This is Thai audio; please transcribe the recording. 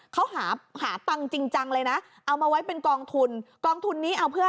เขาหาหาตังค์จริงจังเลยนะเอามาไว้เป็นกองทุนกองทุนนี้เอาเพื่อ